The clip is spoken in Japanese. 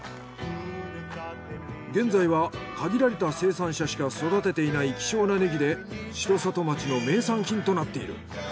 現在は限られた生産者しか育てていない希少なネギで城里町の名産品となっている。